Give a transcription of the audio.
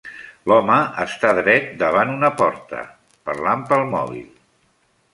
L'home està dret davant una porta parlant pel mòbil.